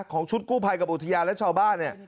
ของชุดกู้ภัยกับอุทยานและชาวบ้านเนี่ย